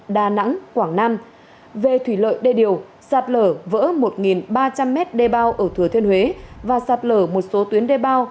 đà nẵng quảng nam về thủy lợi đê điều sạt lở vỡ một ba trăm linh mét đê bao ở thừa thiên huế và sạt lở một số tuyến đê bao